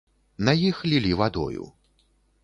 На іх лілі вадою.